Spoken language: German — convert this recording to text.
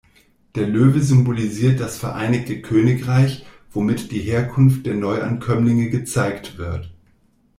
Der Löwe symbolisiert das Vereinigte Königreich, womit die Herkunft der Neuankömmlinge gezeigt wird.